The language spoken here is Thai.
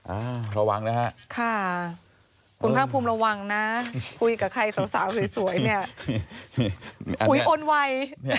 อ่าระวังนะฮะค่ะคุณภาคภูมิระวังนะคุยกับใครสาวสวยเนี่ยอุ๋ยโอนไว